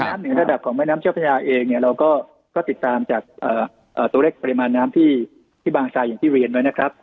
เหนือระดับของแม่น้ำเจ้าพระยาเองเนี่ยเราก็ติดตามจากตัวเลขปริมาณน้ำที่บางทรายอย่างที่เรียนไว้นะครับ